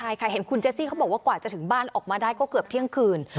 ใช่ค่ะเห็นคุณเจซี่เขาบอกว่ากว่าจะถึงบ้านออกมาได้ก็เกือบเที่ยงคืน